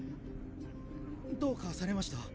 どうかされました？